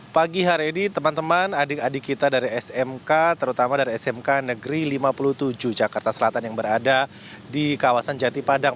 pagi hari ini teman teman adik adik kita dari smk terutama dari smk negeri lima puluh tujuh jakarta selatan yang berada di kawasan jati padang